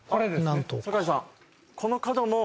坂井さん。